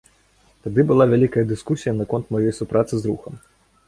Тады была вялікая дыскусія наконт маёй супрацы з рухам.